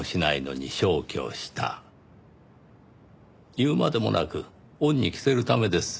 言うまでもなく恩に着せるためです。